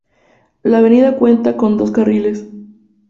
La avenida cuenta con dos carriles.